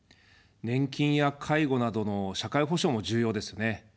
年金や介護などの社会保障も重要ですね。